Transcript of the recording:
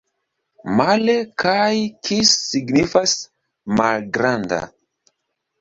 Male kaj kis signifas: malgranda.